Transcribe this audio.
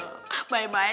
terima kasih malah